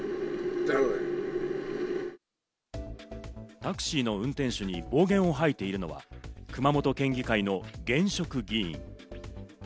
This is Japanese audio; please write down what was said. タクシーの運転手に暴言を吐いているのは熊本県議会の現職議員。